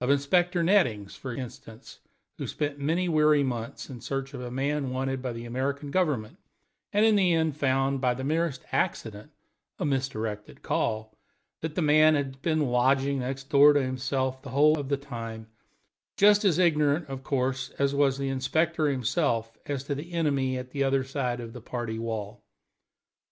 Of Inspector Nettings, for instance, who spent many weary months in a search for a man wanted by the American Government, and in the end found, by the merest accident (a misdirected call), that the man had been lodging next door to himself the whole of the time; just as ignorant, of course, as was the inspector himself as to the enemy at the other side of the party wall.